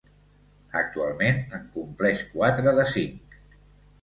Actualment, en compleix quatre de cinc.